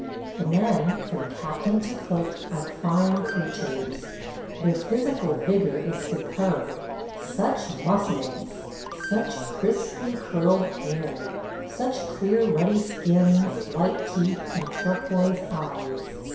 The men, from captain to cook, are fine creatures. Their physical vigor is superb – such muscles! such crisply curled hair! such clear ruddy skins, white teeth, and turquoise eyes.